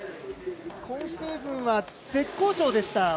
今シーズンは絶好調でした。